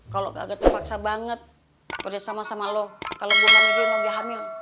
kalo kagak terpaksa banget gue udah sama sama lo kalo gue lahirin mau dia hamil